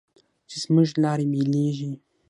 چې زموږ لارې بېلېږي